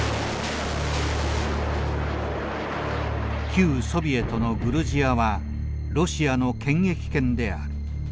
「旧ソビエトのグルジアはロシアの権益圏である」。